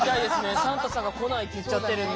サンタさんが来ないって行っちゃってるので。